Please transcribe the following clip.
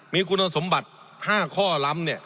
มีคุณสมบัติ๕ข้อล้ำ